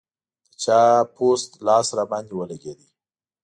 د چا پوست لاس راباندې ولګېد.